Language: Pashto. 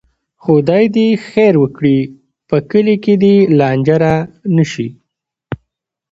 خدای دې خیر وکړي، په کلي کې دې لانجه نه راشي.